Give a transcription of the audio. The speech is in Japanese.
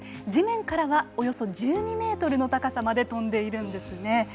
地面からはおよそ１２メートルの高さまでとんでいるんですね。